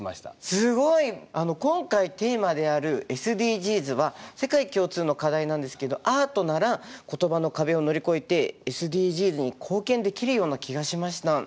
すごい！今回テーマであるＳＤＧｓは世界共通の課題なんですけどアートなら言葉の壁を乗り越えてＳＤＧｓに貢献できるような気がしました。